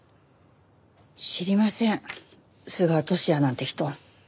知りません須賀都志也なんて人は。